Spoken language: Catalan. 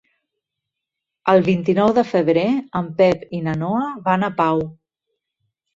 El vint-i-nou de febrer en Pep i na Noa van a Pau.